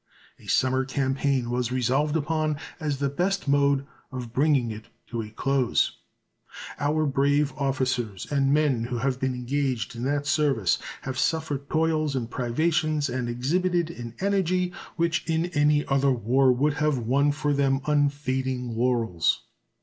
A summer campaign was resolved upon as the best mode of bringing it to a close. Our brave officers and men who have been engaged in that service have suffered toils and privations and exhibited an energy which in any other war would have won for them unfading laurels.